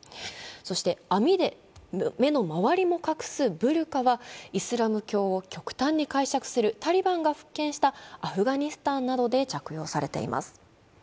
そして、網で目の周りも隠すブルカはイスラム教を極端に解釈するタリバンが復権したアフガニスタンなどで着用されています。